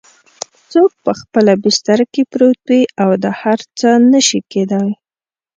څوک په خپله بستره کې پروت وي دا هر څه نه شي کیدای؟